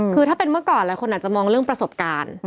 คือถ้าเป็นเมื่อก่อนหลายคนอาจจะมองเรื่องประสบการณ์